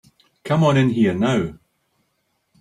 Come on in here now.